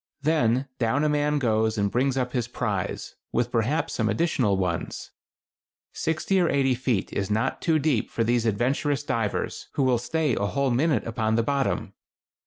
Then down a man goes and brings up his prize, with perhaps some additional ones. Sixty or eighty feet is not too deep for these adventurous divers, who will stay a whole minute upon the bottom.